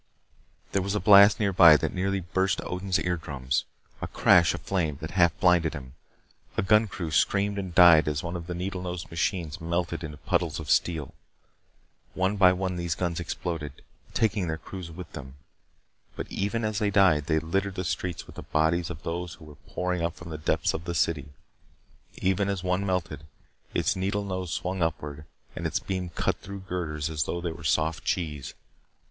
There was a blast nearby that nearly burst Odin's eardrums. A crash of flame that half blinded him. A gun crew screamed and died as one of the needle nosed machines melted into puddles of steel. One by one these guns exploded, taking their crews with them. But even as they died, they littered the streets with the bodies of those who were pouring up from the depths of the city. Even as one melted, its needle nose swung upward and its beam cut through girders as though they were soft cheese.